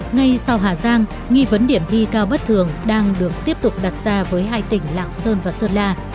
ngay sau hà giang nghi vấn điểm thi cao bất thường đang được tiếp tục đặt ra với hai tỉnh lạng sơn và sơn la